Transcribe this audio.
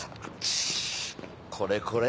これこれ。